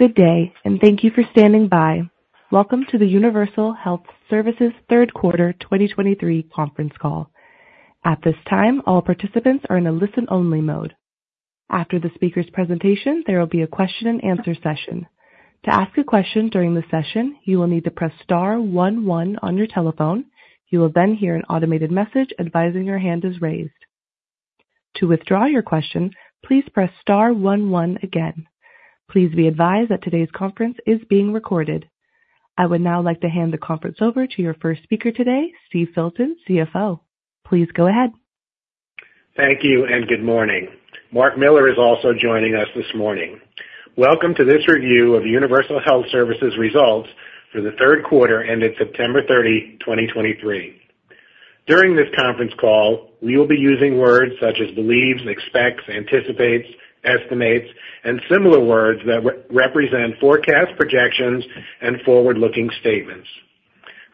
Good day, and thank you for standing by. Welcome to the Universal Health Services Q3 2023 Conference Call. At this time, all participants are in a listen-only mode. After the speaker's presentation, there will be a question-and-answer session. To ask a question during the session, you will need to press star one one on your telephone. You will then hear an automated message advising your hand is raised. To withdraw your question, please press star one one again. Please be advised that today's conference is being recorded. I would now like to hand the conference over to your first speaker today, Steve Filton, CFO. Please go ahead. Thank you and good morning. Marc Miller is also joining us this morning. Welcome to this review of Universal Health Services results for the Q3, ending September 30, 2023. During this conference call, we will be using words such as believes, expects, anticipates, estimates, and similar words that represent forecast projections and forward-looking statements.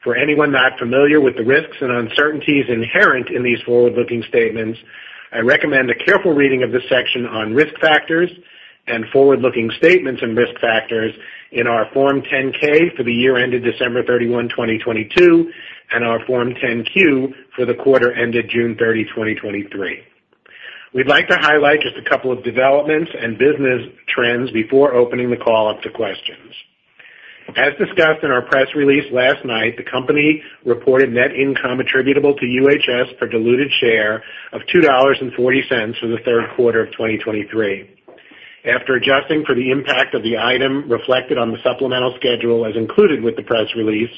For anyone not familiar with the risks and uncertainties inherent in these forward-looking statements, I recommend a careful reading of this section on risk factors and forward-looking statements and risk factors in our Form 10-K for the year ended December 31st, 2022, and our Form 10-Q for the quarter ended June 30th, 2023. We'd like to highlight just a couple of developments and business trends before opening the call up to questions. As discussed in our press release last night, the company reported net income attributable to UHS per diluted share of $2.40 for the Q3 of 2023. After adjusting for the impact of the item reflected on the supplemental schedule as included with the press release,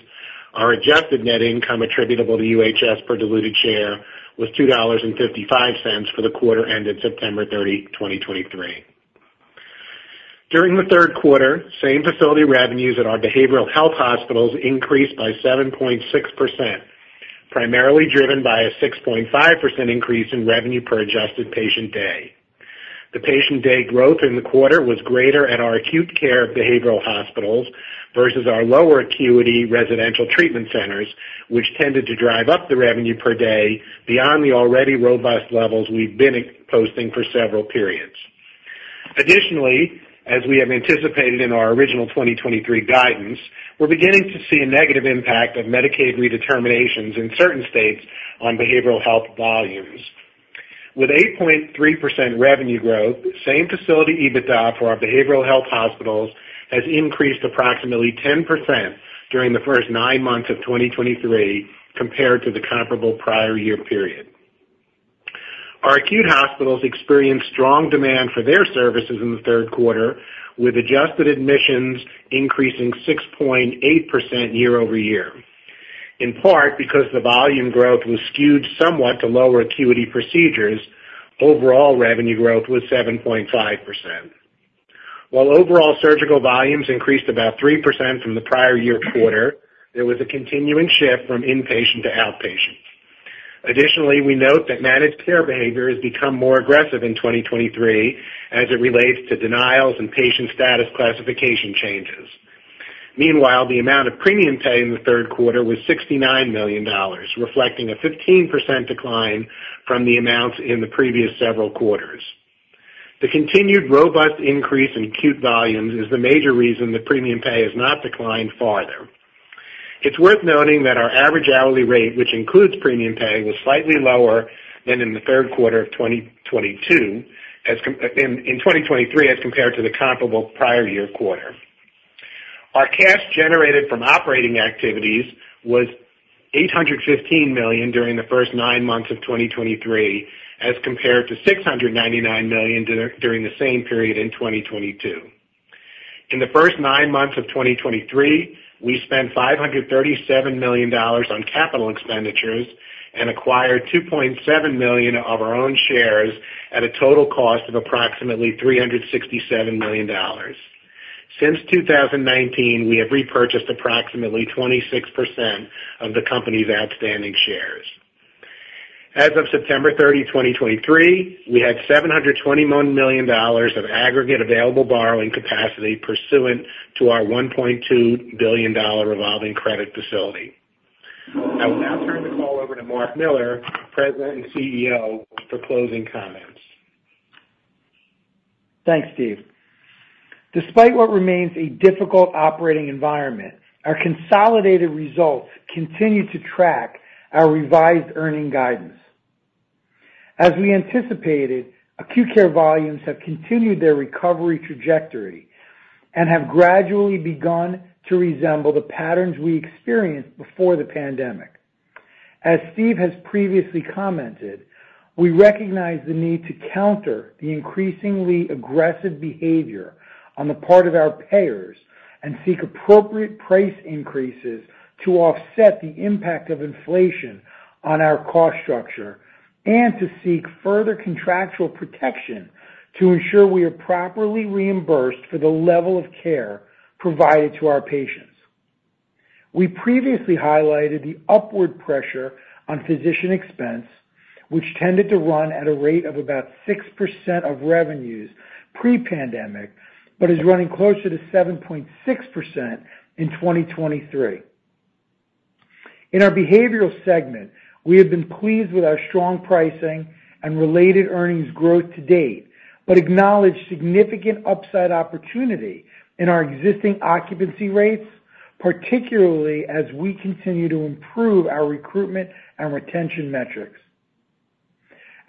our adjusted net income attributable to UHS per diluted share was $2.55 for the quarter ended September 30th, 2023. During the Q3, same facility revenues at our behavioral health hospitals increased by 7.6%, primarily driven by a 6.5% increase in revenue per adjusted patient day. The patient day growth in the quarter was greater at our acute care behavioral hospitals versus our lower acuity residential treatment centers, which tended to drive up the revenue per day beyond the already robust levels we've been posting for several periods. Additionally, as we have anticipated in our original 2023 guidance, we're beginning to see a negative impact of Medicaid redeterminations in certain states on behavioral health volumes. With 8.3% revenue growth, same facility, EBITDA for our behavioral health hospitals has increased approximately 10% during the first nine months of 2023 compared to the comparable prior year period. Our acute hospitals experienced strong demand for their services in the Q3, with adjusted admissions increasing 6.8% year-over-year. In part because the volume growth was skewed somewhat to lower acuity procedures, overall revenue growth was 7.5%. While overall surgical volumes increased about 3% from the prior year quarter, there was a continuing shift from inpatient to outpatient. Additionally, we note that managed care behavior has become more aggressive in 2023 as it relates to denials and patient status classification changes. Meanwhile, the amount of premium pay in the Q3 was $69 million, reflecting a 15% decline from the amounts in the previous several quarters. The continued robust increase in acute volumes is the major reason the premium pay has not declined farther. It's worth noting that our average hourly rate, which includes premium pay, was slightly lower than in the Q3 of 2022. In 2023, as compared to the comparable prior year quarter. Our cash generated from operating activities was $815 million during the first nine months of 2023, as compared to $699 million during the same period in 2022. In the first nine months of 2023, we spent $537 million on capital expenditures and acquired 2.7 million of our own shares at a total cost of approximately $367 million. Since 2019, we have repurchased approximately 26% of the company's outstanding shares. As of September 30th, 2023, we had $721 million of aggregate available borrowing capacity pursuant to our $1.2 billion revolving credit facility. I will now turn the call over to Marc Miller, President and CEO, for closing comments. Thanks, Steve. Despite what remains a difficult operating environment, our consolidated results continue to track our revised earning guidance. As we anticipated, acute care volumes have continued their recovery trajectory and have gradually begun to resemble the patterns we experienced before the pandemic. As Steve has previously commented, we recognize the need to counter the increasingly aggressive behavior on the part of our payers and seek appropriate price increases to offset the impact of inflation on our cost structure, and to seek further contractual protection to ensure we are properly reimbursed for the level of care provided to our patients. We previously highlighted the upward pressure on physician expense, which tended to run at a rate of about 6% of revenues pre-pandemic, but is running closer to 7.6% in 2023. In our behavioral segment, we have been pleased with our strong pricing and related earnings growth to date, but acknowledge significant upside opportunity in our existing occupancy rates, particularly as we continue to improve our recruitment and retention metrics.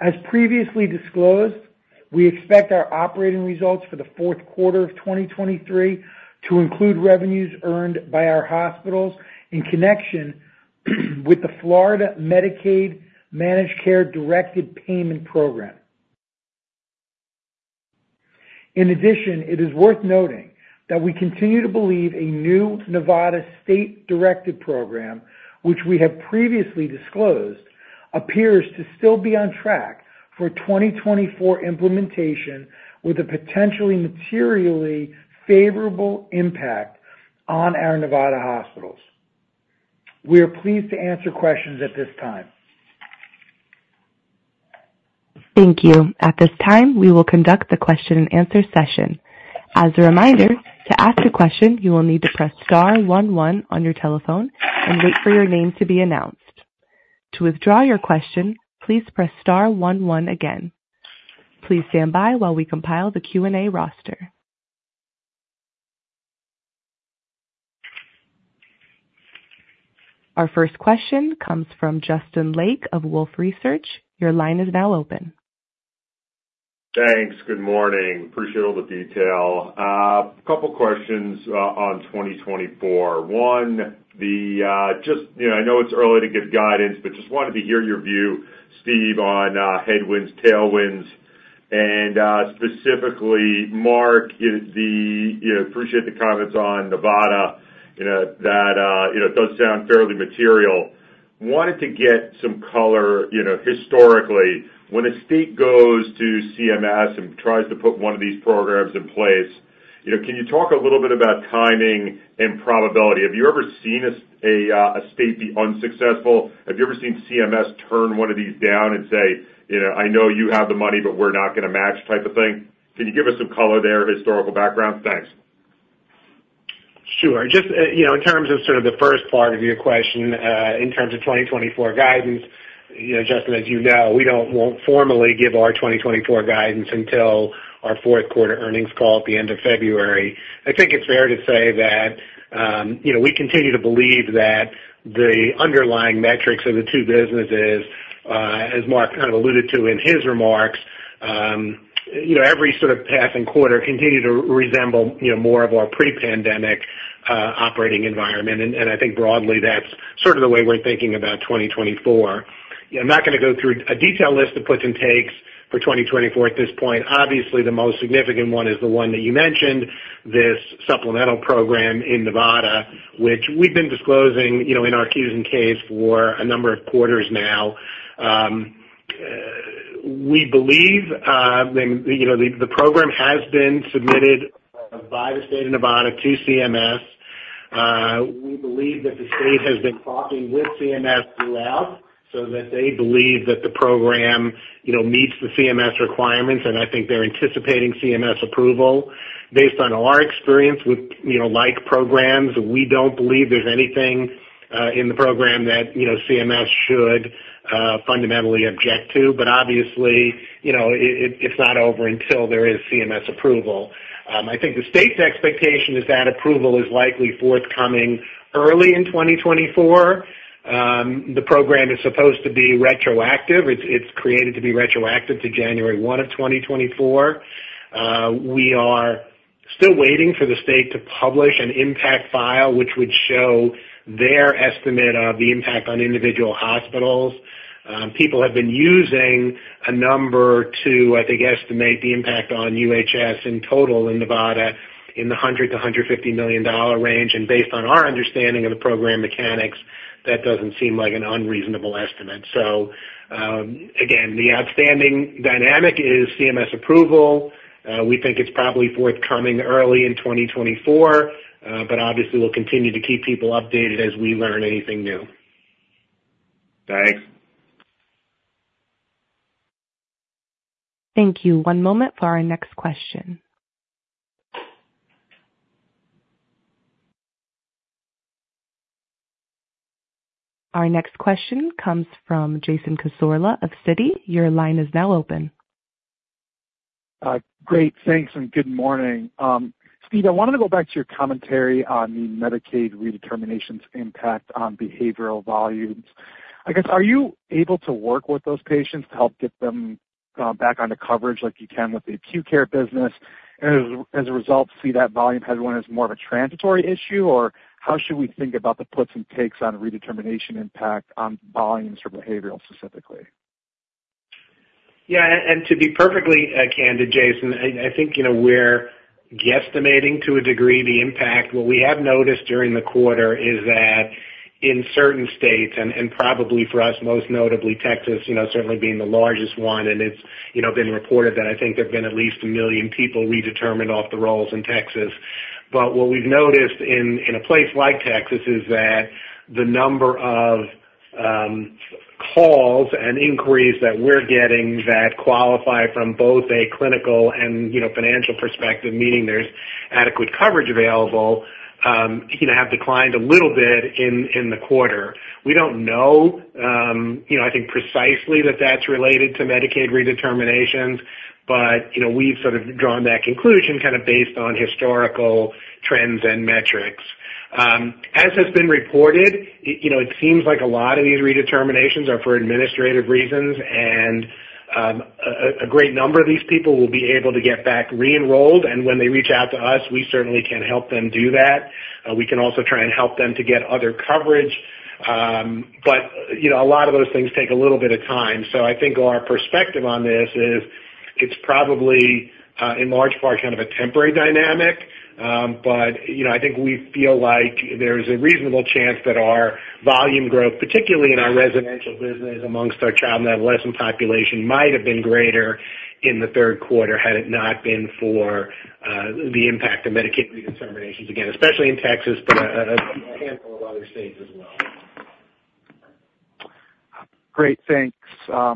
As previously disclosed, we expect our operating results for the Q4 of 2023 to include revenues earned by our hospitals in connection with the Florida Medicaid Managed Care Directed Payment Program. In addition, it is worth noting that we continue to believe a new Nevada state-directed program, which we have previously disclosed, appears to still be on track for 2024 implementation, with a potentially materially favorable impact on our Nevada hospitals. We are pleased to answer questions at this time. Thank you. At this time, we will conduct the question-and-answer session. As a reminder, to ask a question, you will need to press star one one on your telephone and wait for your name to be announced. To withdraw your question, please press star one one again. Please stand by while we compile the Q&A roster. Our first question comes from Justin Lake of Wolfe Research. Your line is now open. Thanks. Good morning. Appreciate all the detail. A couple questions on 2024. One, the just, you know, I know it's early to give guidance, but just wanted to hear your view, Steve, on headwinds, tailwinds, and specifically, Marc, is the—you know, appreciate the comments on Nevada. You know, that, you know, it does sound fairly material. Wanted to get some color, you know, historically, when a state goes to CMS and tries to put one of these programs in place, you know, can you talk a little bit about timing and probability? Have you ever seen a state be unsuccessful? Have you ever seen CMS turn one of these down and say, "You know, I know you have the money, but we're not gonna match," type of thing? Can you give us some color there, historical background? Thanks. Sure. Just, you know, in terms of sort of the first part of your question, in terms of 2024 guidance, you know, Justin, as you know, we won't formally give our 2024 guidance until our Q4 earnings call at the end of February. I think it's fair to say that, you know, we continue to believe that the underlying metrics of the two businesses, as Marc kind of alluded to in his remarks, you know, every sort of passing quarter continue to resemble, you know, more of our pre-pandemic, operating environment. And I think broadly, that's sort of the way we're thinking about 2024. I'm not gonna go through a detailed list of puts and takes for 2024 at this point. Obviously, the most significant one is the one that you mentioned, this supplemental program in Nevada, which we've been disclosing, you know, in our Qs and Ks for a number of quarters now. We believe you know the program has been submitted by the state of Nevada to CMS. We believe that the state has been talking with CMS throughout, so that they believe that the program, you know, meets the CMS requirements, and I think they're anticipating CMS approval. Based on our experience with, you know, like programs, we don't believe there's anything in the program that, you know, CMS should fundamentally object to. But obviously, you know, it's not over until there is CMS approval. I think the state's expectation is that approval is likely forthcoming early in 2024. The program is supposed to be retroactive. It's created to be retroactive to January 1st, 2024. We are still waiting for the state to publish an impact file, which would show their estimate of the impact on individual hospitals. People have been using a number to, I think, estimate the impact on UHS in total in Nevada, in the $100 million-$150 million range. And based on our understanding of the program mechanics, that doesn't seem like an unreasonable estimate. So, again, the outstanding dynamic is CMS approval. We think it's probably forthcoming early in 2024, but obviously, we'll continue to keep people updated as we learn anything new. Thanks. Thank you. One moment for our next question. Our next question comes from Jason Cassorla of Citi. Your line is now open. Great. Thanks, and good morning. Steve, I wanted to go back to your commentary on the Medicaid redeterminations impact on behavioral volumes. I guess, are you able to work with those patients to help get them back onto coverage like you can with the acute care business, and as a result, see that volume as more of a transitory issue? Or how should we think about the puts and takes on redetermination impact on volumes for behavioral specifically? Yeah, and to be perfectly candid, Jason, I, I think, you know, we're guesstimating to a degree the impact. What we have noticed during the quarter is that in certain states, and probably for us, most notably Texas, you know, certainly being the largest one, and it's, you know, been reported that I think there have been at least 1 million people redetermined off the rolls in Texas. But what we've noticed in a place like Texas is that the number of calls and inquiries that we're getting that qualify from both a clinical and, you know, financial perspective, meaning there's adequate coverage available, you know, have declined a little bit in the quarter. We don't know, you know, I think precisely that that's related to Medicaid redeterminations, but, you know, we've sort of drawn that conclusion kind of based on historical trends and metrics. As has been reported, you know, it seems like a lot of these redeterminations are for administrative reasons, and, a great number of these people will be able to get back re-enrolled, and when they reach out to us, we certainly can help them do that. We can also try and help them to get other coverage, but, you know, a lot of those things take a little bit of time. So I think our perspective on this is, it's probably, in large part, kind of a temporary dynamic. But, you know, I think we feel like there's a reasonable chance that our volume growth, particularly in our residential business amongst our child and adolescent population, might have been greater in the Q3, had it not been for the impact of Medicaid redeterminations, again, especially in Texas, but a handful of other states as well. Great, thanks,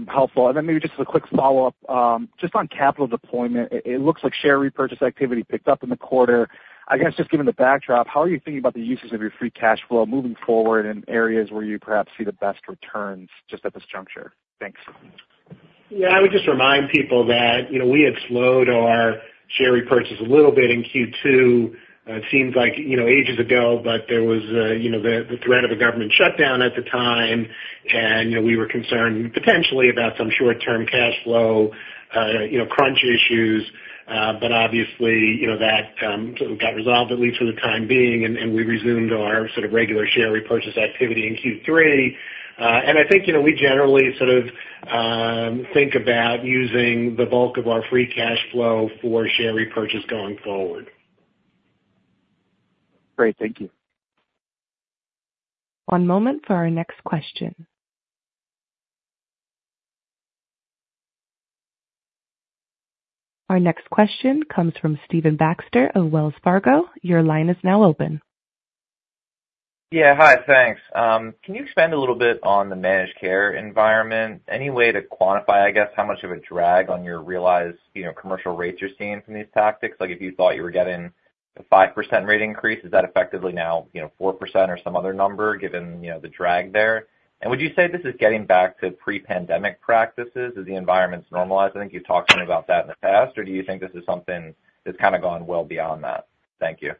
helpful. And then maybe just as a quick follow-up, just on capital deployment, it looks like share repurchase activity picked up in the quarter. I guess, just given the backdrop, how are you thinking about the uses of your free cash flow moving forward in areas where you perhaps see the best returns just at this juncture? Thanks. Yeah, I would just remind people that, you know, we had slowed our share repurchase a little bit in Q2. It seems like, you know, ages ago, but there was, you know, the threat of a government shutdown at the time, and, you know, we were concerned potentially about some short-term cash flow crunch issues. But obviously, you know, that got resolved, at least for the time being, and we resumed our sort of regular share repurchase activity in Q3. And I think, you know, we generally sort of think about using the bulk of our free cash flow for share repurchase going forward. Great, thank you. One moment for our next question. Our next question comes from Stephen Baxter of Wells Fargo. Your line is now open. Yeah. Hi, thanks. Can you expand a little bit on the managed care environment? Any way to quantify, I guess, how much of a drag on your realized, you know, commercial rates you're seeing from these tactics? Like, if you thought you were getting a 5% rate increase, is that effectively now, you know, 4% or some other number, given, you know, the drag there? And would you say this is getting back to pre-pandemic practices as the environment's normalized? I think you've talked about that in the past, or do you think this is something that's kind of gone well beyond that? Thank you.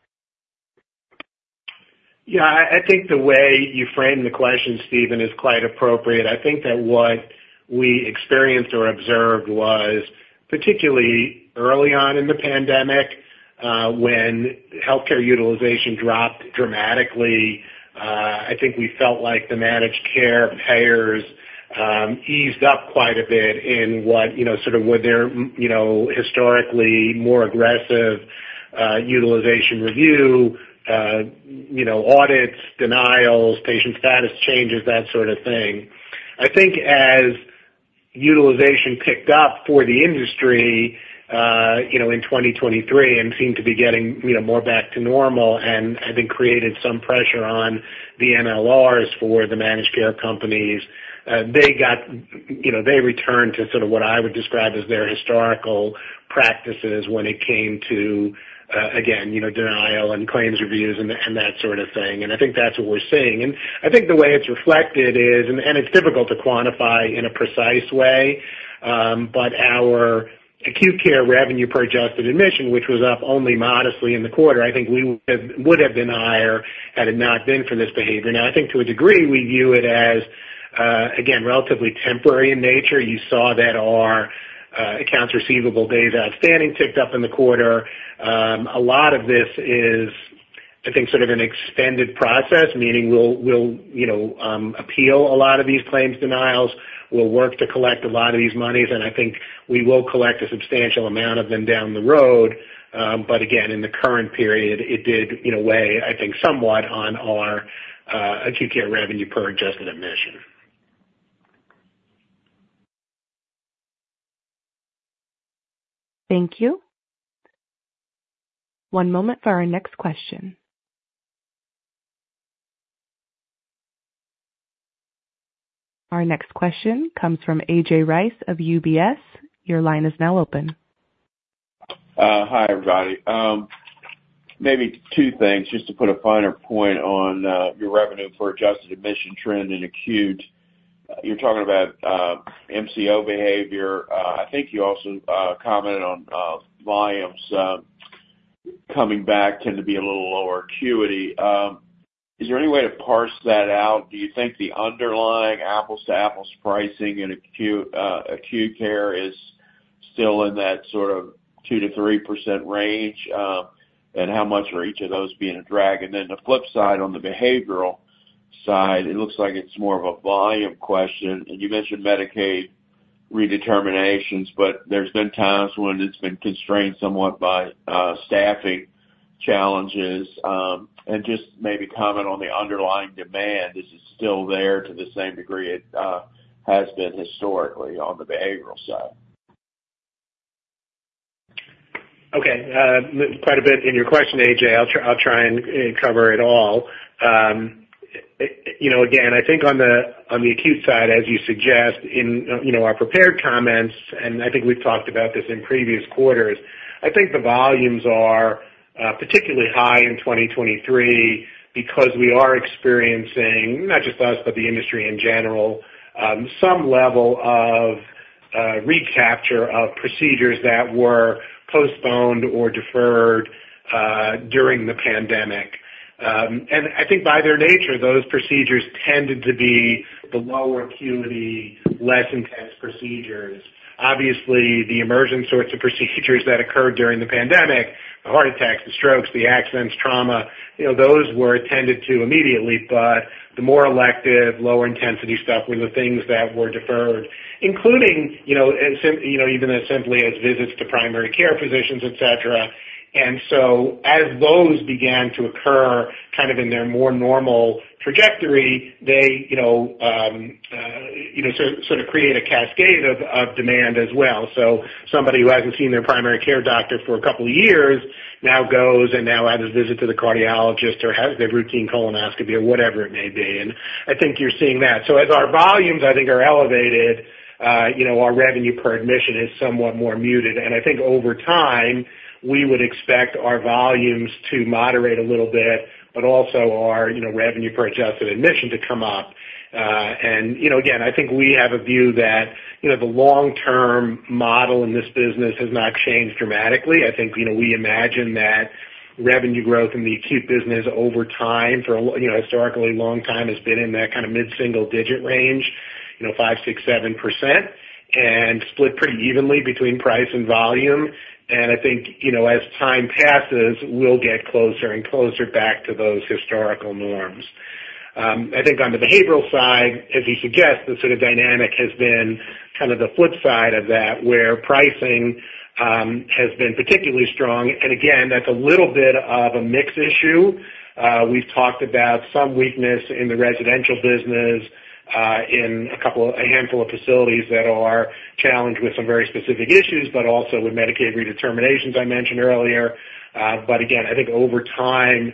Yeah, I think the way you framed the question, Stephen, is quite appropriate. I think that what we experienced or observed was, particularly early on in the pandemic, when healthcare utilization dropped dramatically, I think we felt like the managed care payers eased up quite a bit in what, you know, sort of with their, you know, historically more aggressive utilization review, you know, audits, denials, patient status changes, that sort of thing. I think as utilization picked up for the industry, you know, in 2023, and seemed to be getting, you know, more back to normal and, I think, created some pressure on the MLRs for the managed care companies, they got you know, they returned to sort of what I would describe as their historical practices when it came to, again, you know, denial and claims reviews and that sort of thing. And I think that's what we're seeing. And I think the way it's reflected is, it's difficult to quantify in a precise way, but our acute care revenue per adjusted admission, which was up only modestly in the quarter, I think we would have been higher had it not been for this behavior. Now, I think to a degree, we view it as, again, relatively temporary in nature. You saw that our accounts receivable days outstanding ticked up in the quarter. A lot of this is, I think, sort of an extended process, meaning we'll, we'll, you know, appeal a lot of these claims denials. We'll work to collect a lot of these monies, and I think we will collect a substantial amount of them down the road. But again, in the current period, it did, you know, weigh, I think, somewhat on our acute care revenue per adjusted admission. Thank you. One moment for our next question. Our next question comes from AJ Rice of UBS. Your line is now open. Hi, everybody. Maybe two things, just to put a finer point on your revenue per adjusted admission trend in acute. You're talking about MCO behavior. I think you also commented on volumes coming back tend to be a little lower acuity. Is there any way to parse that out? Do you think the underlying apples to apples pricing in acute acute care is still in that sort of 2%-3% range? And how much are each of those being a drag? And then the flip side, on the behavioral side, it looks like it's more of a volume question. And you mentioned Medicaid redeterminations, but there's been times when it's been constrained somewhat by staffing challenges. And just maybe comment on the underlying demand. Is it still there to the same degree it has been historically on the behavioral side? Okay, quite a bit in your question, AJ. I'll try, I'll try and cover it all. You know, again, I think on the acute side, as you suggest, in our prepared comments, and I think we've talked about this in previous quarters, I think the volumes are particularly high in 2023 because we are experiencing, not just us, but the industry in general, some level of recapture of procedures that were postponed or deferred during the pandemic. And I think by their nature, those procedures tended to be the lower acuity, less intense procedures. Obviously, the emergent sorts of procedures that occurred during the pandemic, the heart attacks, the strokes, the accidents, trauma, you know, those were attended to immediately. The more elective, lower intensity stuff were the things that were deferred, including, you know, as simply as visits to primary care physicians, et cetera. As those began to occur kind of in their more normal trajectory, they, you know, you know, sort of create a cascade of demand as well. Somebody who hasn't seen their primary care doctor for a couple of years now goes and now has a visit to the cardiologist or has their routine colonoscopy or whatever it may be, and I think you're seeing that. As our volumes, I think, are elevated, you know, our revenue per admission is somewhat more muted. I think over time, we would expect our volumes to moderate a little bit, but also our, you know, revenue per adjusted admission to come up. And, you know, again, I think we have a view that, you know, the long-term model in this business has not changed dramatically. I think, you know, we imagine that revenue growth in the acute business over time, you know, historically long time has been in that kind of mid-single digit range, you know, 5%, 6%, 7%, and split pretty evenly between price and volume. And I think, you know, as time passes, we'll get closer and closer back to those historical norms. I think on the behavioral side, as you suggest, the sort of dynamic has been kind of the flip side of that, where pricing has been particularly strong. And again, that's a little bit of a mix issue. We've talked about some weakness in the residential business in a couple... A handful of facilities that are challenged with some very specific issues, but also with Medicaid redeterminations I mentioned earlier. But again, I think over time,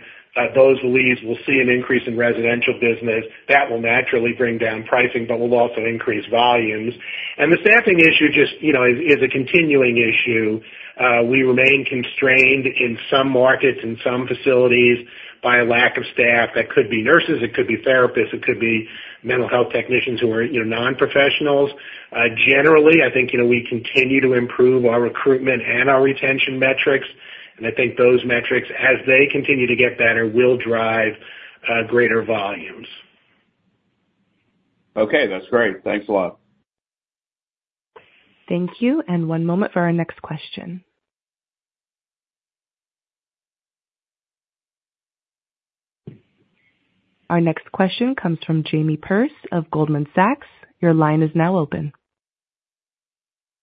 those leads will see an increase in residential business. That will naturally bring down pricing, but will also increase volumes. And the staffing issue just, you know, is a continuing issue. We remain constrained in some markets, in some facilities, by a lack of staff. That could be nurses, it could be therapists, it could be mental health technicians who are, you know, non-professionals. Generally, I think, you know, we continue to improve our recruitment and our retention metrics, and I think those metrics, as they continue to get better, will drive greater volumes. Okay, that's great. Thanks a lot. Thank you, and one moment for our next question. Our next question comes from Jamie Perse of Goldman Sachs. Your line is now open.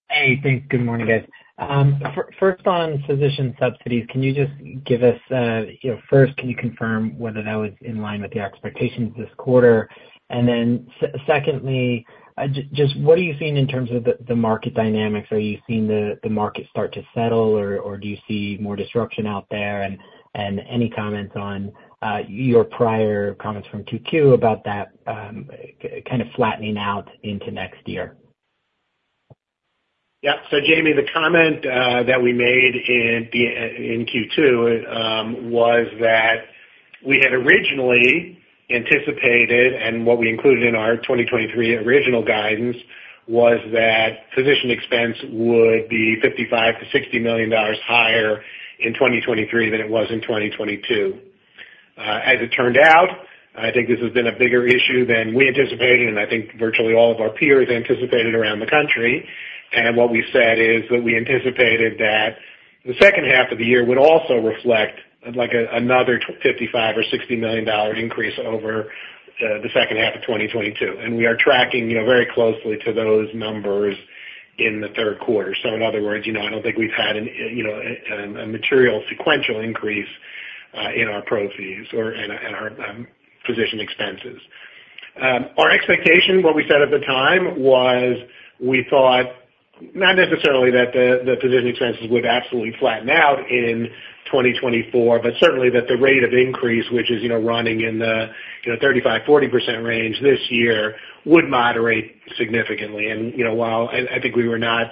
Hey, thanks. Good morning, guys. First, on physician subsidies, can you just give us, you know, first, can you confirm whether that was in line with the expectations this quarter? And then secondly, just what are you seeing in terms of the market dynamics? Are you seeing the market start to settle, or do you see more disruption out there? And any comments on your prior comments from 2Q about that kind of flattening out into next year? Yeah. So Jamie, the comment that we made in the in Q2 was that we had originally anticipated, and what we included in our 2023 original guidance, was that physician expense would be $55 million-$60 million higher in 2023 than it was in 2022. As it turned out, I think this has been a bigger issue than we anticipated, and I think virtually all of our peers anticipated around the country. And what we said is that we anticipated that the H2 of the year would also reflect, like, a another $55 million or $60 million increase over the H2 of 2022. And we are tracking, you know, very closely to those numbers in the Q3. So in other words, you know, I don't think we've had a material sequential increase in our proceeds or in our physician expenses. Our expectation, what we said at the time, was we thought not necessarily that the physician expenses would absolutely flatten out in 2024, but certainly that the rate of increase, which is, you know, running in the 35%-40% range this year, would moderate significantly. And, you know, while I think we were not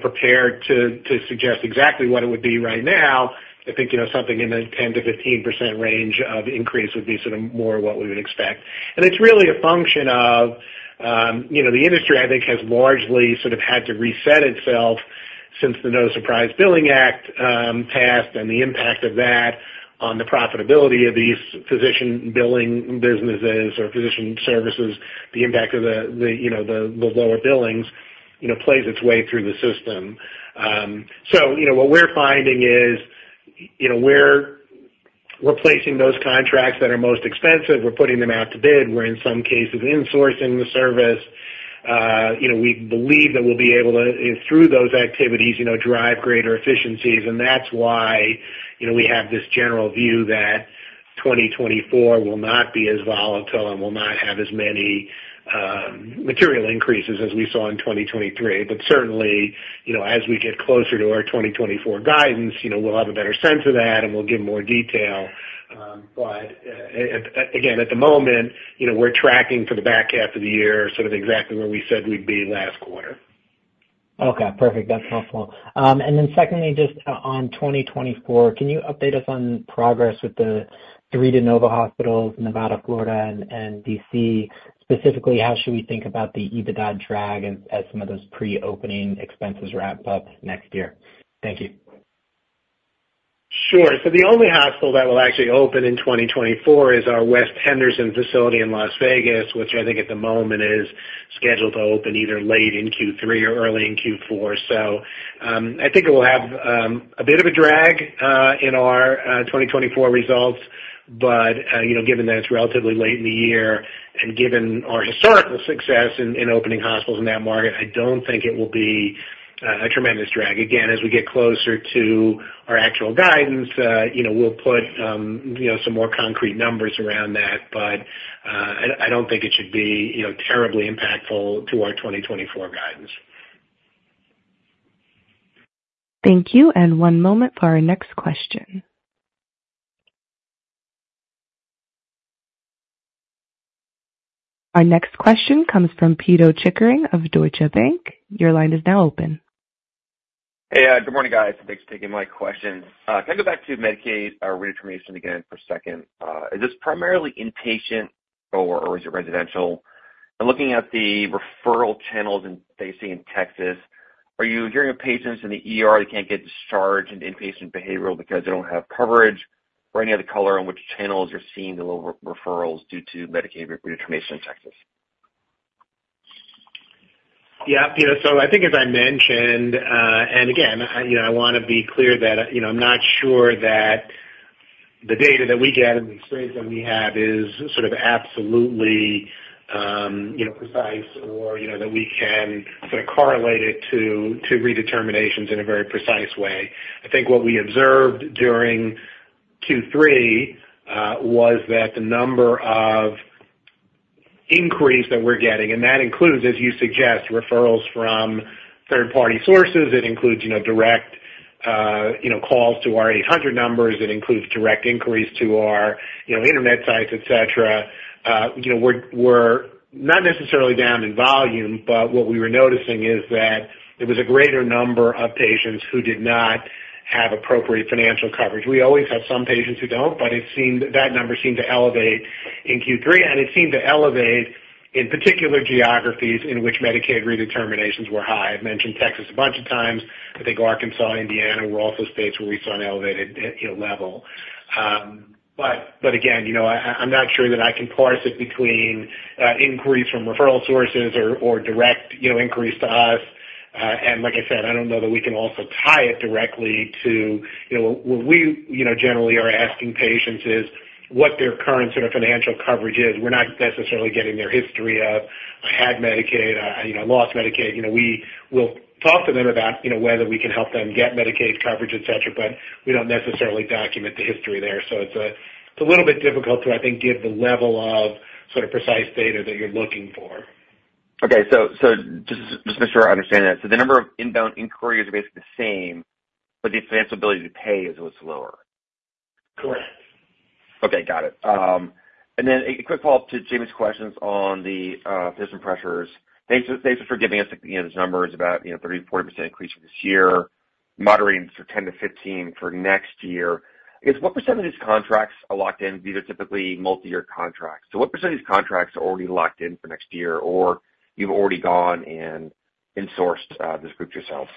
prepared to suggest exactly what it would be right now, I think, you know, something in the 10%-15% range of increase would be sort of more what we would expect. It's really a function of, you know, the industry, I think, has largely sort of had to reset itself since the No Surprises Act passed and the impact of that on the profitability of these physician billing businesses or physician services, the impact of, you know, the lower billings, you know, plays its way through the system. So, you know, what we're finding is, you know, we're replacing those contracts that are most expensive. We're putting them out to bid. We're, in some cases, insourcing the service. You know, we believe that we'll be able to, through those activities, you know, drive greater efficiencies, and that's why, you know, we have this general view that 2024 will not be as volatile and will not have as many material increases as we saw in 2023. But certainly, you know, as we get closer to our 2024 guidance, you know, we'll have a better sense of that, and we'll give more detail. But again, at the moment, you know, we're tracking for the back half of the year, sort of exactly where we said we'd be last quarter. Okay, perfect. That's helpful. And then secondly, just on 2024, can you update us on progress with the three de novo hospitals, Nevada, Florida, and D.C.? Specifically, how should we think about the EBITDA drag as some of those pre-opening expenses wrap up next year? Thank you. Sure. So the only hospital that will actually open in 2024 is our West Henderson facility in Las Vegas, which I think at the moment is scheduled to open either late in Q3 or early in Q4. So, I think it will have a bit of a drag in our 2024 results. But, you know, given that it's relatively late in the year and given our historical success in opening hospitals in that market, I don't think it will be a tremendous drag. Again, as we get closer to our actual guidance, you know, we'll put some more concrete numbers around that. But, I don't think it should be, you know, terribly impactful to our 2024 guidance. Thank you, and one moment for our next question. Our next question comes from Peter Chickering of Deutsche Bank. Your line is now open. Hey, good morning, guys. Thanks for taking my question. Can I go back to Medicaid Redetermination again for a second? Is this primarily inpatient or, or is it residential? And looking at the referral channels in that you see in Texas, are you hearing of patients in the ER that can't get discharged in inpatient behavioral because they don't have coverage, or any other color on which channels you're seeing the low referrals due to Medicaid Redetermination in Texas? Yeah, Peter, so I think as I mentioned, and again, you know, I wanna be clear that, you know, I'm not sure that the data that we get and the experience that we have is sort of absolutely, you know, precise or, you know, that we can sort of correlate it to, to redeterminations in a very precise way. I think what we observed during Q3 was that the number of inquiries that we're getting, and that includes, as you suggest, referrals from third-party sources, it includes, you know, direct, you know, calls to our 800 numbers. It includes direct inquiries to our, you know, internet sites, et cetera. You know, we're not necessarily down in volume, but what we were noticing is that it was a greater number of patients who did not have appropriate financial coverage. We always have some patients who don't, but it seemed that number seemed to elevate in Q3, and it seemed to elevate in particular geographies in which Medicaid redeterminations were high. I've mentioned Texas a bunch of times. I think Arkansas, Indiana, were also states where we saw an elevated, you know, level. But again, you know, I'm not sure that I can parse it between inquiries from referral sources or direct, you know, inquiries to us. And like I said, I don't know that we can also tie it directly to, you know... What we, you know, generally are asking patients is what their current sort of financial coverage is. We're not necessarily getting their history of, "I had Medicaid," "I, you know, lost Medicaid." You know, we will talk to them about, you know, whether we can help them get Medicaid coverage, et cetera, but we don't necessarily document the history there. So it's a, it's a little bit difficult to, I think, give the level of sort of precise data that you're looking for. Okay. So just to make sure I understand that. So the number of inbound inquiries are basically the same, but the ability to pay is what's lower? Correct. Okay, got it. And then a quick follow-up to Jamie's questions on the physician pressures. Thanks for giving us, you know, those numbers about, you know, 30%-40% increase for this year, moderating to 10%-15% for next year. I guess, what percentage of these contracts are locked in? These are typically multi-year contracts. So what percentage of contracts are already locked in for next year, or you've already gone and in-sourced this group yourselves?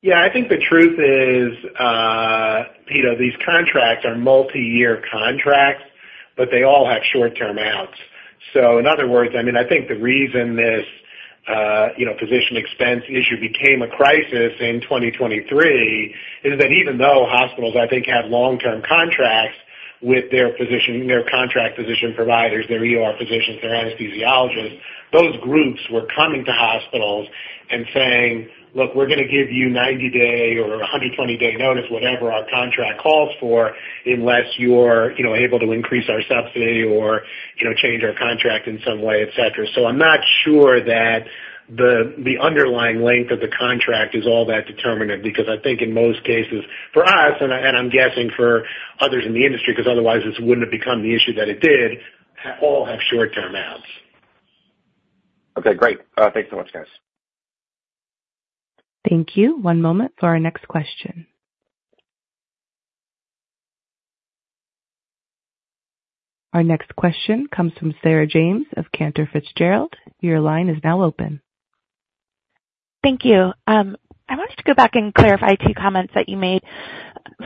Yeah, I think the truth is, Peter, these contracts are multi-year contracts, but they all have short-term outs. So in other words, I mean, I think the reason this, you know, physician expense issue became a crisis in 2023, is that even though hospitals, I think, have long-term contracts with their physician, their contract physician providers, their ER physicians, their anesthesiologists, those groups were coming to hospitals and saying: "Look, we're gonna give you 90-day or 120-day notice, whatever our contract calls for, unless you're, you know, able to increase our subsidy or, you know, change our contract in some way, et cetera." So I'm not sure that the underlying length of the contract is all that determinant, because I think in most cases, for us, and I'm guessing for others in the industry, because otherwise this wouldn't have become the issue that it did, all have short-term outs. Okay, great. Thanks so much, guys. Thank you. One moment for our next question. Our next question comes from Sarah James of Cantor Fitzgerald. Your line is now open. Thank you. I wanted to go back and clarify two comments that you made.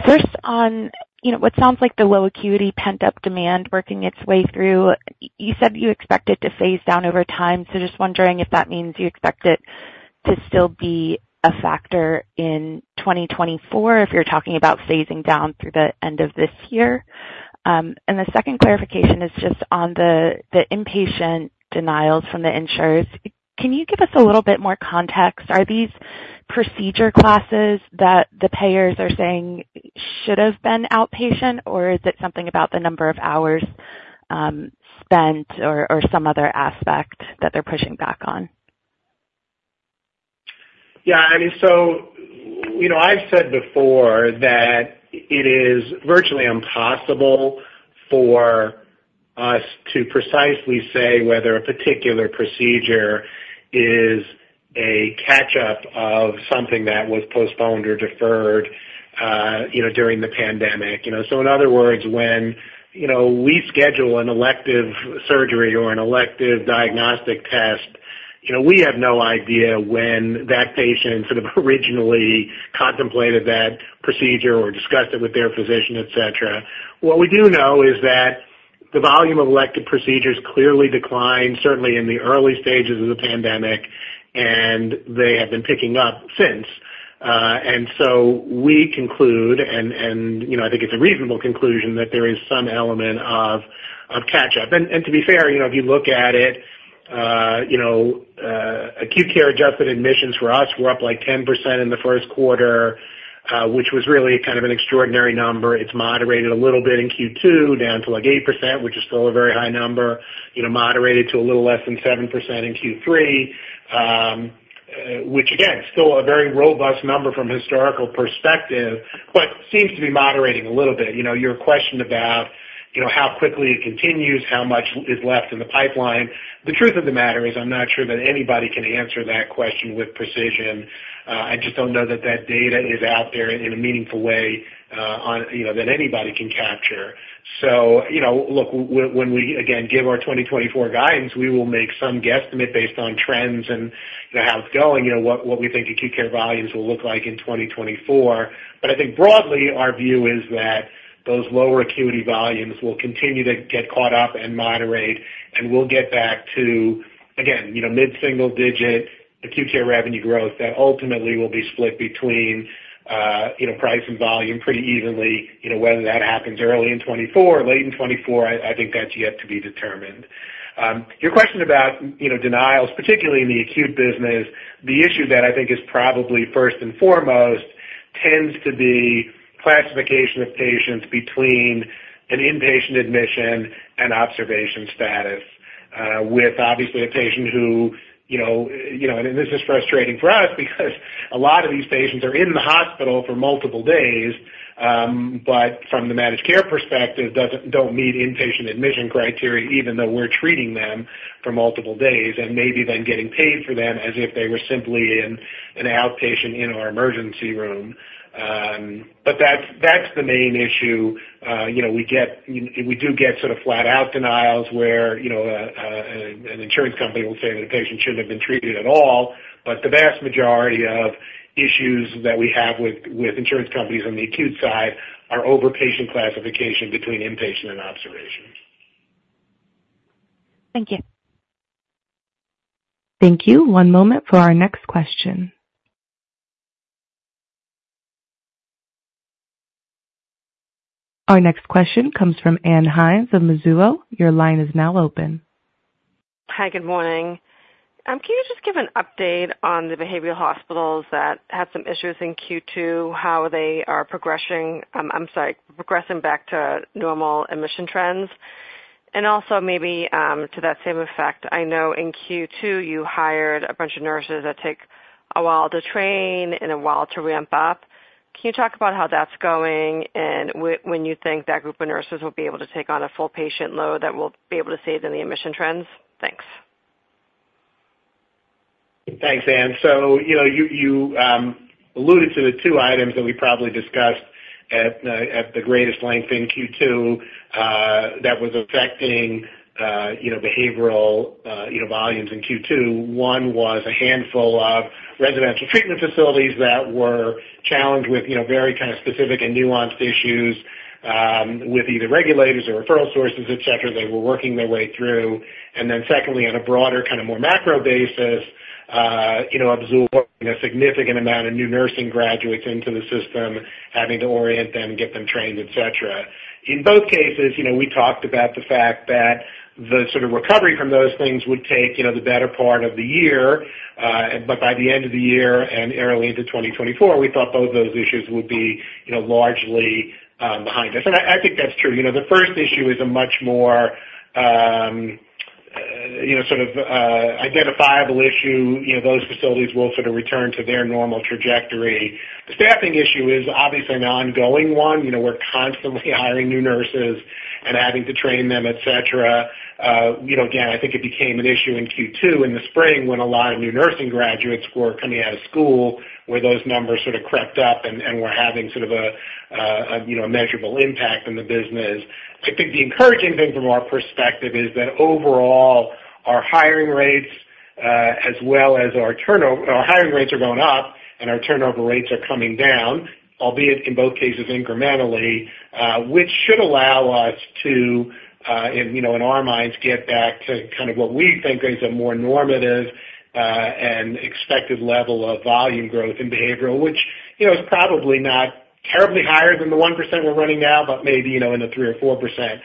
First on, you know, what sounds like the low acuity, pent-up demand working its way through. You said you expect it to phase down over time, so just wondering if that means you expect it to still be a factor in 2024, if you're talking about phasing down through the end of this year? And the second clarification is just on the inpatient denials from the insurers. Can you give us a little bit more context? Are these procedure classes that the payers are saying should have been outpatient, or is it something about the number of hours spent or some other aspect that they're pushing back on? Yeah, I mean, so, you know, I've said before that it is virtually impossible for us to precisely say whether a particular procedure is a catch-up of something that was postponed or deferred, you know, during the pandemic. You know, so in other words, when, you know, we schedule an elective surgery or an elective diagnostic test, you know, we have no idea when that patient sort of originally contemplated that procedure or discussed it with their physician, et cetera. What we do know is that the volume of elective procedures clearly declined, certainly in the early stages of the pandemic, and they have been picking up since. And so we conclude, and you know, I think it's a reasonable conclusion that there is some element of catch-up. To be fair, you know, if you look at it, acute care adjusted admissions for us were up, like, 10% in the Q1, which was really kind of an extraordinary number. It's moderated a little bit in Q2, down to, like, 8%, which is still a very high number, you know, moderated to a little less than 7% in Q3. Which again, still a very robust number from a historical perspective, but seems to be moderating a little bit. You know, your question about, you know, how quickly it continues, how much is left in the pipeline. The truth of the matter is, I'm not sure that anybody can answer that question with precision. I just don't know that that data is out there in a meaningful way, on, you know, that anybody can capture. So, you know, look, when we again give our 2024 guidance, we will make some guesstimate based on trends and, you know, how it's going, you know, what we think acute care volumes will look like in 2024. But I think broadly, our view is that those lower acuity volumes will continue to get caught up and moderate, and we'll get back to, again, you know, mid-single digit acute care revenue growth that ultimately will be split between, you know, price and volume pretty evenly. You know, whether that happens early in 2024 or late in 2024, I think that's yet to be determined. Your question about, you know, denials, particularly in the acute business, the issue that I think is probably first and foremost tends to be classification of patients between an inpatient admission and observation status, with obviously a patient who, you know... And this is frustrating for us because a lot of these patients are in the hospital for multiple days, but from the managed care perspective, don't meet inpatient admission criteria, even though we're treating them for multiple days and maybe then getting paid for them as if they were simply in an outpatient in our emergency room. But that's, that's the main issue. You know, we get - we do get sort of flat-out denials where, you know, an insurance company will say that a patient shouldn't have been treated at all. But the vast majority of issues that we have with insurance companies on the acute side are over patient classification between inpatient and observation. Thank you. Thank you. One moment for our next question. Our next question comes from Ann Heinz of Mizuho. Your line is now open. Hi, good morning. Can you just give an update on the behavioral hospitals that had some issues in Q2, how they are progressing, I'm sorry, progressing back to normal admission trends? And also maybe, to that same effect, I know in Q2 you hired a bunch of nurses that take a while to train and a while to ramp up. Can you talk about how that's going and when you think that group of nurses will be able to take on a full patient load that we'll be able to see it in the admission trends? Thanks. Thanks, Ann. So, you know, you alluded to the two items that we probably discussed at the greatest length in Q2, that was affecting, you know, behavioral, you know, volumes in Q2. One was a handful of residential treatment facilities that were challenged with, you know, very kind of specific and nuanced issues, with either regulators or referral sources, et cetera. They were working their way through. And then secondly, on a broader, kind of more macro basis, you know, absorbing a significant amount of new nursing graduates into the system, having to orient them and get them trained, et cetera. In both cases, you know, we talked about the fact that the sort of recovery from those things would take, you know, the better part of the year, but by the end of the year and early into 2024, we thought both those issues would be, you know, largely behind us. And I, I think that's true. You know, the first issue is a much more, you know, sort of identifiable issue. You know, those facilities will sort of return to their normal trajectory. The staffing issue is obviously an ongoing one. You know, we're constantly hiring new nurses and having to train them, et cetera. You know, again, I think it became an issue in Q2 in the spring, when a lot of new nursing graduates were coming out of school, where those numbers sort of crept up and were having sort of a you know, a measurable impact on the business. I think the encouraging thing from our perspective is that overall, our hiring rates as well as our turnover, our hiring rates are going up and our turnover rates are coming down, albeit in both cases incrementally, which should allow us to you know, in our minds, get back to kind of what we think is a more normative and expected level of volume growth in behavioral, which you know, is probably not terribly higher than the 1% we're running now, but maybe you know, in the 3% or 4%.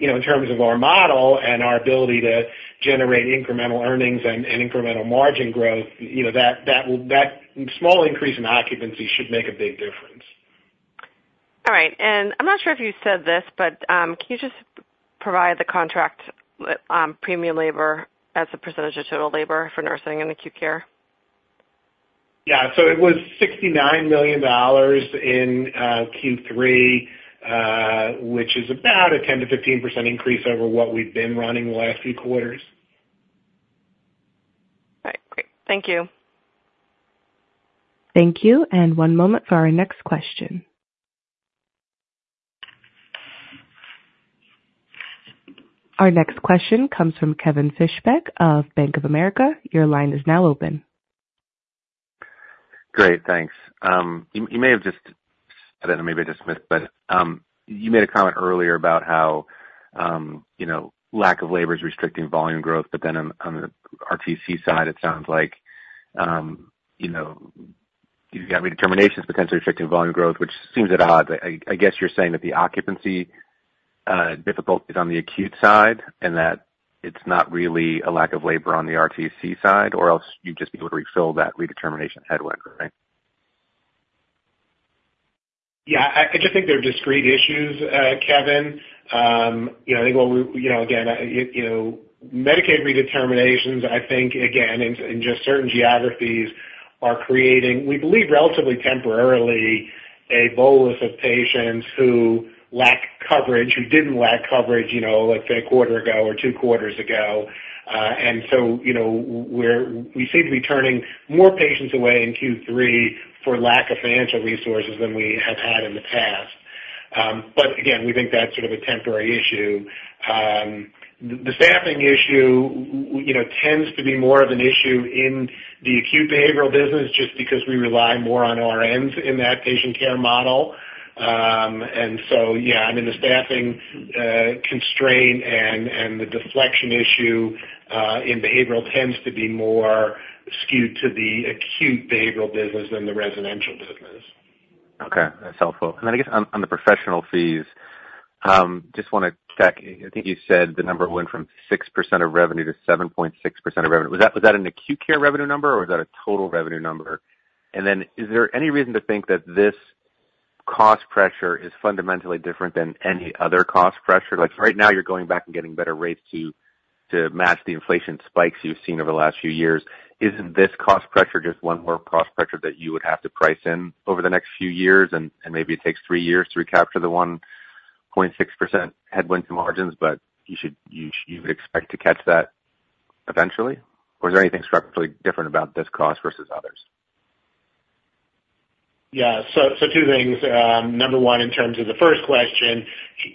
You know, in terms of our model and our ability to generate incremental earnings and incremental margin growth, you know, that small increase in occupancy should make a big difference. All right. And I'm not sure if you said this, but, can you just provide the contract, premium labor as a percentage of total labor for nursing and acute care? Yeah. So it was $69 million in Q3, which is about a 10%-15% increase over what we've been running the last few quarters. All right, great. Thank you. Thank you, and one moment for our next question. Our next question comes from Kevin Fischbeck of Bank of America. Your line is now open. Great, thanks. You may have just—I don't know, maybe I just missed, but you made a comment earlier about how, you know, lack of labor is restricting volume growth, but then on the RTC side, it sounds like, you know, you've got redeterminations potentially restricting volume growth, which seems at odds. I guess you're saying that the occupancy difficulty is on the acute side and that it's not really a lack of labor on the RTC side, or else you'd just be able to refill that redetermination headwind, right? Yeah, I just think they're discrete issues, Kevin. You know, I think what we, you know, again, you know, Medicaid redeterminations, I think, again, in just certain geographies are creating, we believe, relatively temporarily, a bolus of patients who lack coverage, who didn't lack coverage, you know, let's say a quarter ago or two quarters ago. And so, you know, we seem to be turning more patients away in Q3 for lack of financial resources than we have had in the past. But again, we think that's sort of a temporary issue. The staffing issue, you know, tends to be more of an issue in the acute behavioral business, just because we rely more on RNs in that patient care model. Yeah, I mean, the staffing constraint and the deflection issue in behavioral tends to be more skewed to the acute behavioral business than the residential business. Okay, that's helpful. And then I guess on, on the professional fees, just wanna check. I think you said the number went from 6% of revenue to 7.6% of revenue. Was that, was that an acute care revenue number, or was that a total revenue number? And then is there any reason to think that this cost pressure is fundamentally different than any other cost pressure? Like, right now, you're going back and getting better rates to, to match the inflation spikes you've seen over the last few years. Isn't this cost pressure just one more cost pressure that you would have to price in over the next few years, and, and maybe it takes three years to recapture the 1.6% headwind to margins, but you should, you, you would expect to catch that eventually? Or is there anything structurally different about this cost versus others? Yeah, so two things. Number one, in terms of the first question,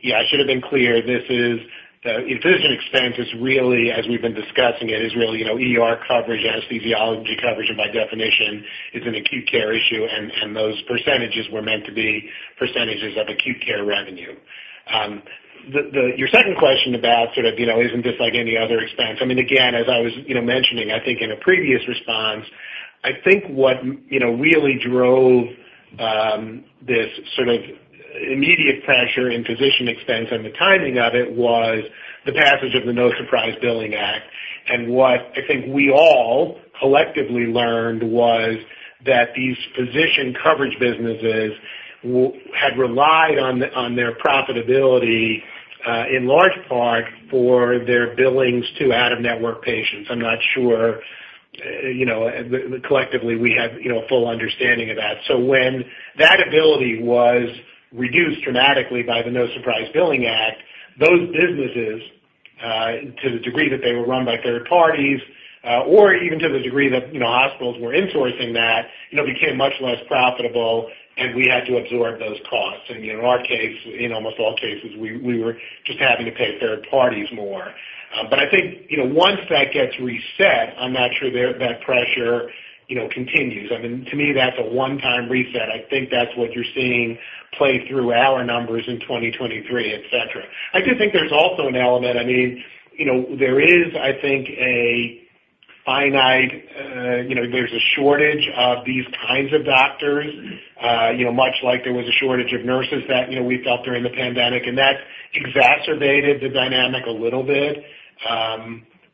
yeah, I should have been clear. This is physician expense is really, as we've been discussing, it is really, you know, ER coverage, anesthesiology coverage, and by definition, is an acute care issue, and those percentages were meant to be percentages of acute care revenue. Your second question about sort of, you know, isn't this like any other expense? I mean, again, as I was, you know, mentioning, I think in a previous response, I think what, you know, really drove this sort of immediate pressure in physician expense and the timing of it was the passage of the No Surprise Billing Act. What I think we all collectively learned was that these physician coverage businesses had relied on, on their profitability, in large part for their billings to out-of-network patients. I'm not sure, you know, collectively, we have, you know, full understanding of that. So when that ability was reduced dramatically by the No Surprise Billing Act, those businesses, to the degree that they were run by third parties, or even to the degree that, you know, hospitals were insourcing that, you know, became much less profitable, and we had to absorb those costs. In our case, in almost all cases, we, we were just having to pay third parties more. But I think, you know, once that gets reset, I'm not sure that that pressure, you know, continues. I mean, to me, that's a one-time reset. I think that's what you're seeing play through our numbers in 2023, et cetera. I do think there's also an element. I mean, you know, there is, I think, a finite, you know, there's a shortage of these kinds of doctors, you know, much like there was a shortage of nurses that, you know, we felt during the pandemic, and that exacerbated the dynamic a little bit.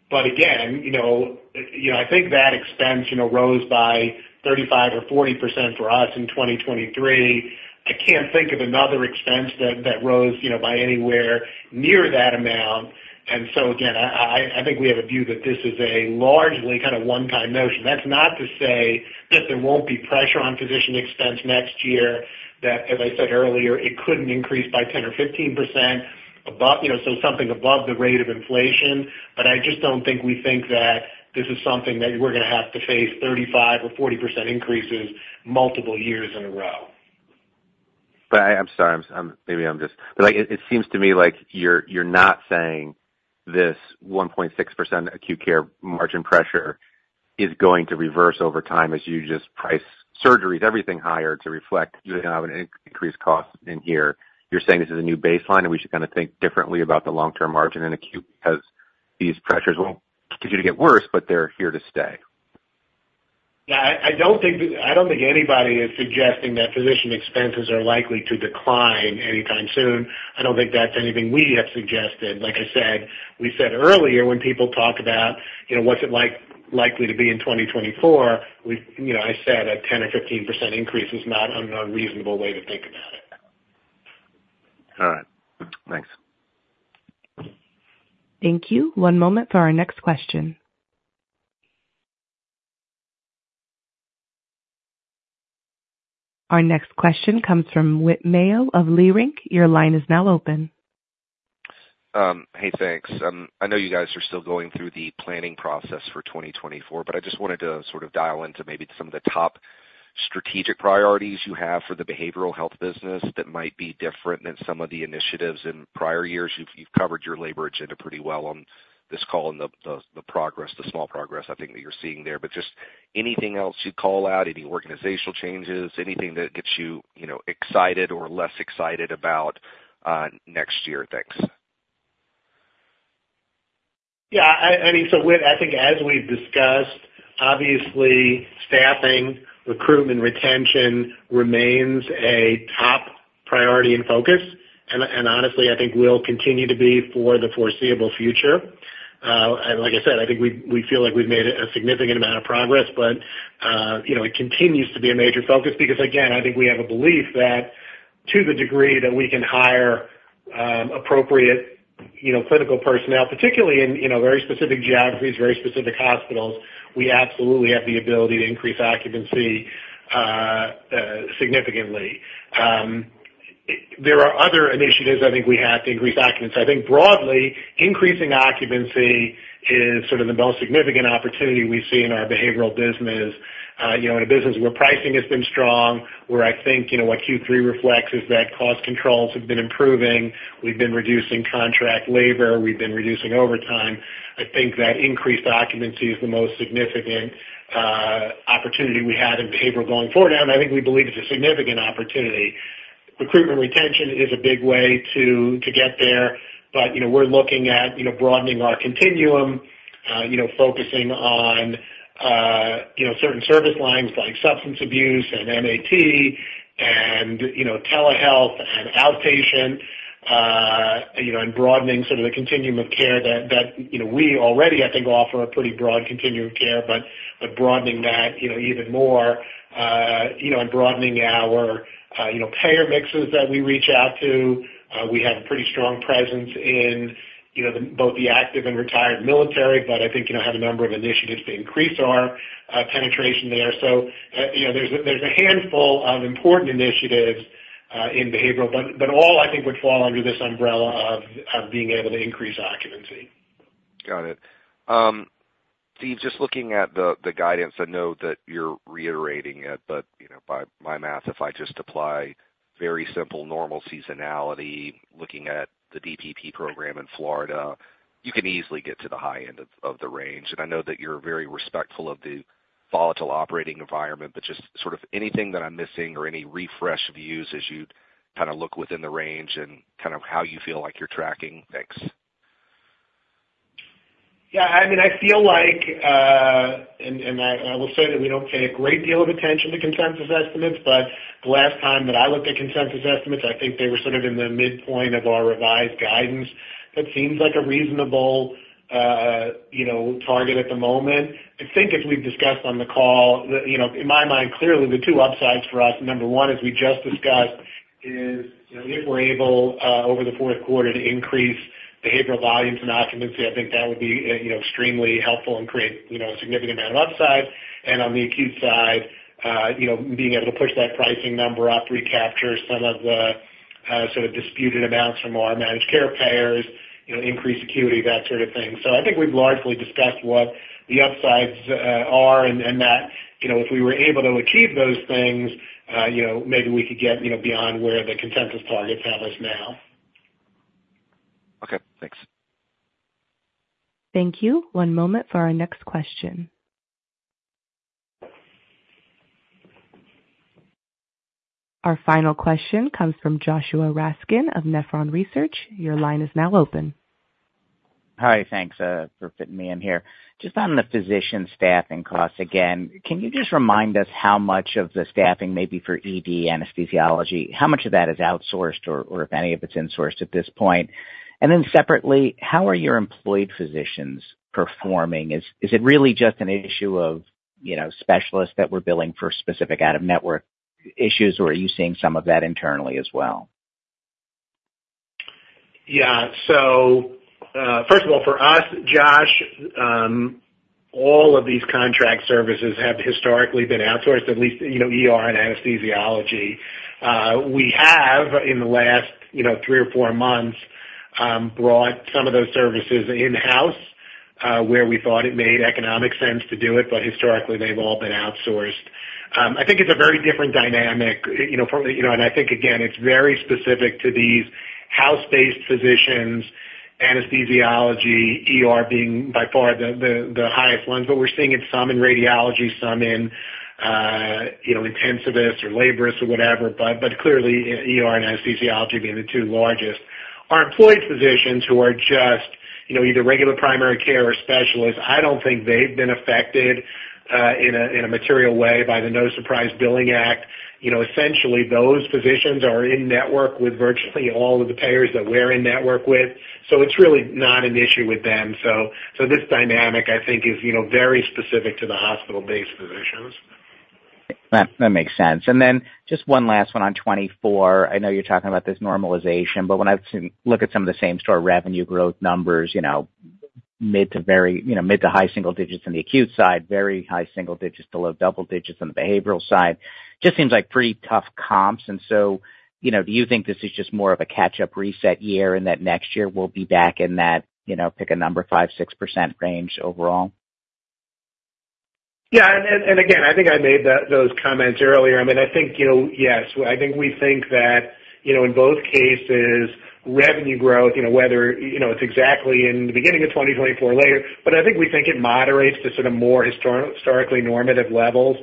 But again, you know, you know, I think that expense, you know, rose by 35%-40% for us in 2023. I can't think of another expense that rose, you know, by anywhere near that amount. And so again, I think we have a view that this is a largely kind of one-time notion. That's not to say that there won't be pressure on physician expense next year, that, as I said earlier, it couldn't increase by 10% or 15% above, you know, so something above the rate of inflation. But I just don't think we think that this is something that we're gonna have to face 35% or 40% increases multiple years in a row. But I'm sorry, maybe I'm just— But, like, it seems to me like you're not saying this 1.6% acute care margin pressure is going to reverse over time as you just price surgeries, everything higher to reflect, you know, an increased cost in here. You're saying this is a new baseline, and we should kinda think differently about the long-term margin in acute, because these pressures won't continue to get worse, but they're here to stay? Yeah, I don't think anybody is suggesting that physician expenses are likely to decline anytime soon. I don't think that's anything we have suggested. Like I said, we said earlier, when people talk about, you know, what's it likely to be in 2024, we, you know, I said a 10%-15% increase is not an unreasonable way to think about it. All right, thanks. Thank you. One moment for our next question. Our next question comes from Whit Mayo of Leerink. Your line is now open. Hey, thanks. I know you guys are still going through the planning process for 2024, but I just wanted to sort of dial into maybe some of the top strategic priorities you have for the behavioral health business that might be different than some of the initiatives in prior years. You've, you've covered your labor agenda pretty well on this call and the, the, the progress, the small progress, I think that you're seeing there. But just anything else you'd call out, any organizational changes, anything that gets you, you know, excited or less excited about next year? Thanks. Yeah, I mean, so Whit, I think as we've discussed, obviously, staffing, recruitment, retention remains a top priority and focus, and honestly, I think will continue to be for the foreseeable future. Like I said, I think we feel like we've made a significant amount of progress, but you know, it continues to be a major focus because, again, I think we have a belief that to the degree that we can hire appropriate, you know, clinical personnel, particularly in, you know, very specific geographies, very specific hospitals, we absolutely have the ability to increase occupancy significantly. There are other initiatives I think we have to increase occupancy. I think broadly, increasing occupancy is sort of the most significant opportunity we see in our behavioral business. You know, in a business where pricing has been strong, where I think, you know, what Q3 reflects is that cost controls have been improving. We've been reducing contract labor. We've been reducing overtime. I think that increased occupancy is the most significant opportunity we have in behavioral going forward, and I think we believe it's a significant opportunity. Recruitment, retention is a big way to get there, but, you know, we're looking at, you know, broadening our continuum, you know, focusing on, you know, certain service lines like substance abuse and MAT and, you know, telehealth and outpatient, you know, and broadening sort of the continuum of care that, you know, we already, I think, offer a pretty broad continuum of care, but, broadening that, you know, even more, you know, and broadening our, you know, payer mixes that we reach out to. We have a pretty strong presence in, you know, both the active and retired military, but I think, you know, have a number of initiatives to increase our penetration there. you know, there's a handful of important initiatives in behavioral, but all, I think, would fall under this umbrella of being able to increase occupancy. Got it. Steve, just looking at the guidance, I know that you're reiterating it, but, you know, by my math, if I just apply very simple, normal seasonality, looking at the DPP program in Florida, you can easily get to the high end of the range. And I know that you're very respectful of the volatile operating environment, but just sort of anything that I'm missing or any refresh views as you kind of look within the range and kind of how you feel like you're tracking? Thanks. Yeah, I mean, I feel like, and I will say that we don't pay a great deal of attention to consensus estimates, but the last time that I looked at consensus estimates, I think they were sort of in the midpoint of our revised guidance. That seems like a reasonable, you know, target at the moment. I think, as we've discussed on the call, the, you know, in my mind, clearly the two upsides for us, number one, as we just discussed, is, you know, if we're able, over the Q4 to increase behavioral volumes and occupancy, I think that would be, you know, extremely helpful and create, you know, a significant amount of upside. On the acute side, you know, being able to push that pricing number up, recapture some of the sort of disputed amounts from our managed care payers, you know, increase acuity, that sort of thing. I think we've largely discussed what the upsides are, and that, you know, if we were able to achieve those things, you know, maybe we could get beyond where the consensus targets have us now. Okay, thanks. Thank you. One moment for our next question. Our final question comes from Joshua Raskin of Nephron Research. Your line is now open. Hi, thanks for fitting me in here. Just on the physician staffing costs, again, can you just remind us how much of the staffing may be for ED anesthesiology? How much of that is outsourced, or if any of it's insourced at this point? And then separately, how are your employed physicians performing? Is it really just an issue of, you know, specialists that we're billing for specific out-of-network issues, or are you seeing some of that internally as well? Yeah. So, first of all, for us, Josh, all of these contract services have historically been outsourced, at least, you know, ER and anesthesiology. We have, in the last, you know, three or four months, brought some of those services in-house, where we thought it made economic sense to do it, but historically, they've all been outsourced. I think it's a very different dynamic, you know, from, you know, and I think again, it's very specific to these house-based physicians, anesthesiology, ER being by far the highest ones, but we're seeing it some in radiology, some in, you know, intensivists or laborists or whatever, but clearly, ER and anesthesiology being the two largest.... Our employed physicians who are just, you know, either regular primary care or specialists, I don't think they've been affected in a material way by the No Surprises Act. You know, essentially, those physicians are in-network with virtually all of the payers that we're in-network with, so it's really not an issue with them. So this dynamic, I think is, you know, very specific to the hospital-based physicians. That, that makes sense. And then just one last one on 2024. I know you're talking about this normalization, but when I look at some of the same-store revenue growth numbers, you know, mid to very, you know, mid to high single digits on the acute side, very high single digits to low double digits on the behavioral side, just seems like pretty tough comps. And so, you know, do you think this is just more of a catch-up reset year and that next year we'll be back in that, you know, pick a number, 5%, 6% range overall? Yeah, and, and again, I think I made those comments earlier. I mean, I think, you know, yes, I think we think that, you know, in both cases, revenue growth, you know, whether, you know, it's exactly in the beginning of 2024 later, but I think we think it moderates to sort of more historically normative levels.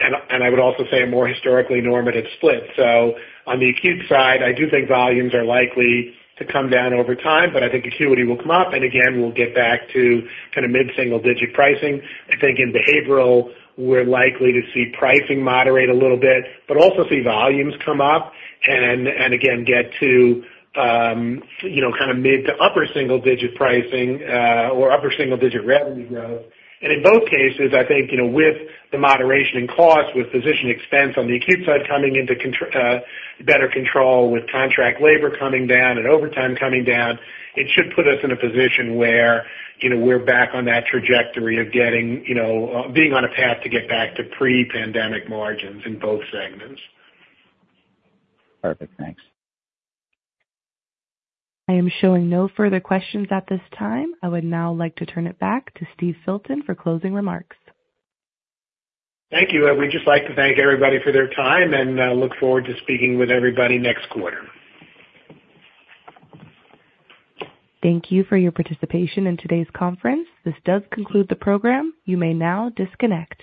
And, and I would also say a more historically normative split. So on the acute side, I do think volumes are likely to come down over time, but I think acuity will come up, and again, we'll get back to kind of mid-single-digit pricing. I think in behavioral, we're likely to see pricing moderate a little bit, but also see volumes come up and, and again get to, you know, kind of mid- to upper-single-digit pricing, or upper-single-digit revenue growth. In both cases, I think, you know, with the moderation in cost, with physician expense on the acute side coming into better control, with contract labor coming down and overtime coming down, it should put us in a position where, you know, we're back on that trajectory of getting, you know, being on a path to get back to pre-pandemic margins in both segments. Perfect. Thanks. I am showing no further questions at this time. I would now like to turn it back to Steve Filton for closing remarks. Thank you. I would just like to thank everybody for their time, and look forward to speaking with everybody next quarter. Thank you for your participation in today's conference. This does conclude the program. You may now disconnect.